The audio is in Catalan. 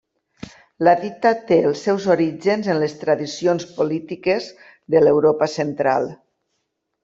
La dita té els seus orígens en les tradicions polítiques de l'Europa Central.